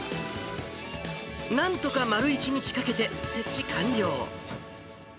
なんとか丸１日かけて設置完了。